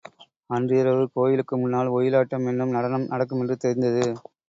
அன்றிரவு கோயிலுக்கு முன்னால் ஒயிலாட்டம் என்னும் நடனம் நடக்குமென்று தெரிந்தது.